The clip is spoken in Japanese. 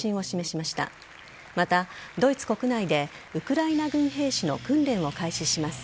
また、ドイツ国内でウクライナ軍兵士の訓練を開始します。